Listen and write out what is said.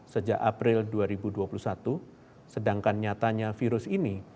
sejak april dua ribu dua puluh satu sedangkan nyatanya virus ini